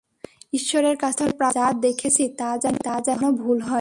ঈশ্বরের কাছে প্রার্থনা, যা দেখেছি তা যেন ভুল হয়।